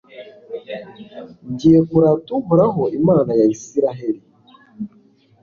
ngiye kurata uhoraho, imana ya israheli